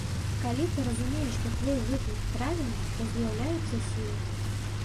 Калі ты разумееш, што твой выклік правільны, то з'яўляюцца сілы.